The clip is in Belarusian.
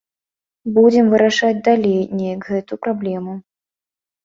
Будзем вырашаць далей неяк гэту праблему.